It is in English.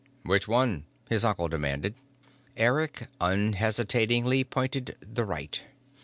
"Which one?" his uncle demanded. Eric unhesitatingly pointed the right.